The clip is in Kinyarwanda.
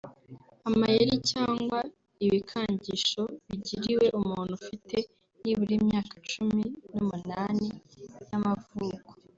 amayeri cyangwa ibikangisho bigiriwe umuntu ufite nibura imyaka cumi n’umunani y’amavuko